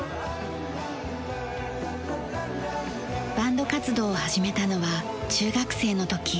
バンド活動を始めたのは中学生の時。